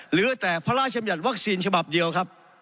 หรือว่าแต่ภรรหาชมญัติวัคซีนฉบับเดียวครับ